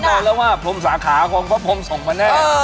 บอกแล้วว่าพรมสาขาของพระพรมส่งมาแน่